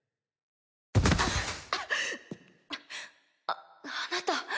ああなた。